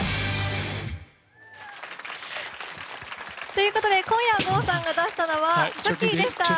ということで今夜、郷さんが出したのはチョキでした。